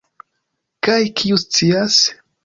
Kaj, kiu scias?